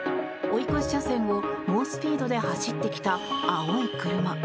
追い越し車線を猛スピードで走ってきた青い車。